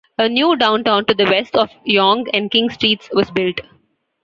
A new downtown to the west of Yonge and King Streets was built.